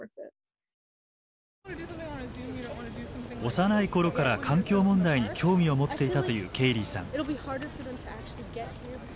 幼い頃から環境問題に興味を持っていたというケイリーさん。